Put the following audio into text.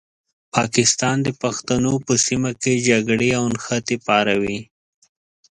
پاکستان د پښتنو په سیمه کې جګړې او نښتې پاروي.